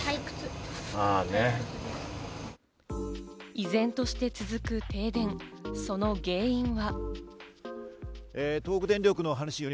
依然として続く停電、その原因は。